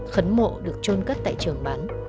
khấn mộ được trôn cất tại trường bán